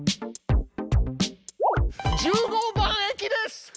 １５番駅です。